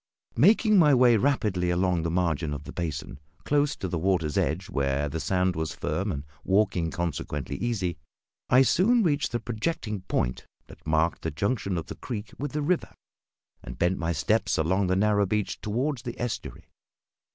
Making my way rapidly along the margin of the basin, close to the water's edge, where the sand was firm and the walking consequently easy, I soon reached the projecting point that marked the junction of the creek with the river, and bent my steps along the narrow beach toward the estuary.